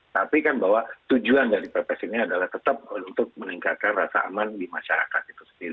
tapi kan bahwa tujuan dari pps ini adalah tetap untuk meningkatkan rasa aman di masyarakat itu sendiri